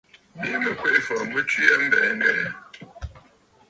Miʼi mɨ Kweʼefɔ̀ tswe aa a mbɛ̀ɛ̀ ŋ̀gɛ̀ɛ̀.